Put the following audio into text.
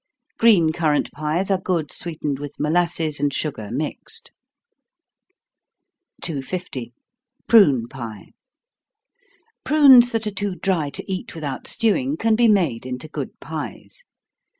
Green currant pies are good sweetened with molasses and sugar mixed. 250. Prune Pie. Prunes that are too dry to eat without stewing, can be made into good pies.